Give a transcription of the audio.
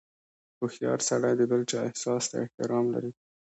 • هوښیار سړی د بل چا احساس ته احترام لري.